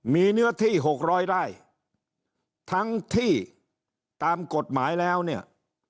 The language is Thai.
มีเนื้อที่หกร้อยไร่ทั้งที่ตามกฎหมายแล้วเนี่ย